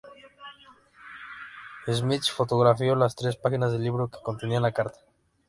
Smith fotografió las tres páginas del libro que contenían la carta.